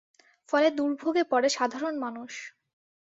ফলে দুর্ভোগে পড়ে সাধারণ মানুষ।